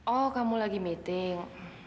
oh kamu lagi meeting